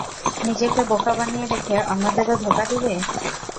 নিজেকে বোকা বানিয়ে রেখে অন্যদেরও ধোঁকা দিবে?